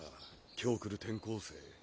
今日来る転校生